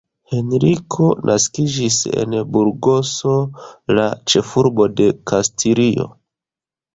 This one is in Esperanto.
Henriko naskiĝis en Burgoso, la ĉefurbo de Kastilio.